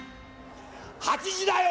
「８時だョ！」。